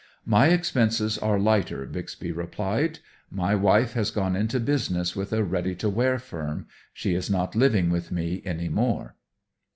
"My expenses are lighter," Bixby replied. "My wife has gone into business with a ready to wear firm. She is not living with me any more."